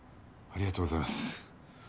ありがとうございます。